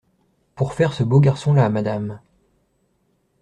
Pour faire ce beau garçon-là, madame!